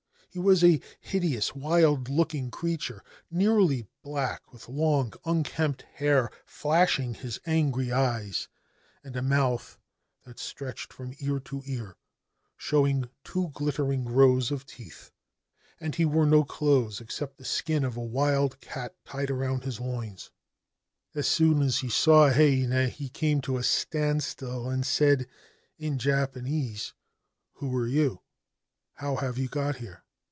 He was a hideous, wild looking creature, nearly black, with long unkempt hair, flashing angry eyes, and a mouth that stretched from ear to ear, showing two glittering rows of teeth ; and he wore no clothes except the skin of a wild cat tied round his loins. 123 Ancient Tales and Folklore of Japan As soon as he saw Heinei he came to a standstill, and said, in Japanese, * Who are you ? how have you got here